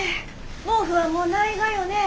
毛布はもうないがよね？